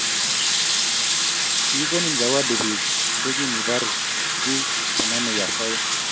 kikoni zawadi piik che ineparu piik che namei asoya